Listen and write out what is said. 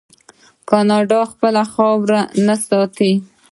آیا کاناډا خپله خاوره نه ساتي؟